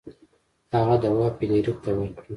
هغه دوا فلیریک ته ورکړه.